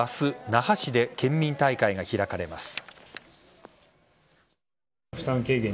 那覇市で県民大会が開かれます。